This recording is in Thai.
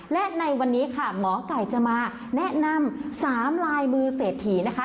และในวันนี้ค่ะหมอไก่จะมาแนะนำ๓ลายมือเศรษฐีนะคะ